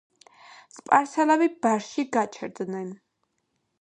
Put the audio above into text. სპარსელები ბარში გაჩერდნენ.